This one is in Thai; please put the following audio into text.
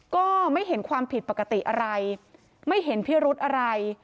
ก็ไม่เห็นความผิดปกติอะไรไม่เห็นพิรุธอะไร